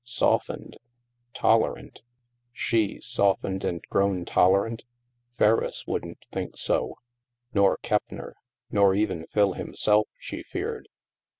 " Softened !"'' Tolerant !" She, softened and grown tolerant! Ferriss wouldn't think so. Nor Keppner ! Nor even Phil himself, she feared.